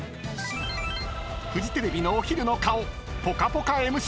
［フジテレビのお昼の顔『ぽかぽか』ＭＣ神田愛花］